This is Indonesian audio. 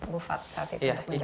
bu fat saat itu